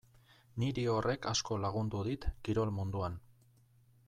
Niri horrek asko lagundu dit kirol munduan.